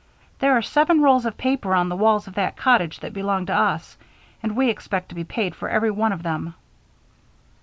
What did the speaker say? There are seven rolls of paper on the walls of that cottage that belong to us, and we expect to be paid for every one of them."